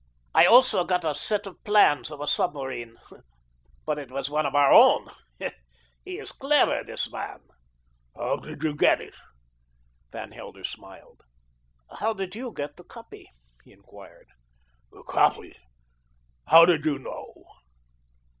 "I also got a set of plans of a submarine; but it was one of our own. He is clever, this man." "How did you get it?" Van Helder smiled. "How did you get the copy?" he enquired. "The copy! How did you know?"